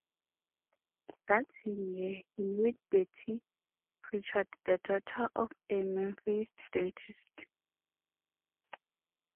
That same year, he married Betty Prichard, the daughter of a Memphis dentist.